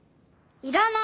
要らない！